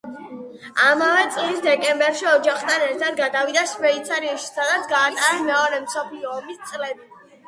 ამავე წლის დეკემბერში ოჯახთან ერთად გადავიდა შვეიცარიაში სადაც გაატარა მეორე მსოფლიო ომის წლები.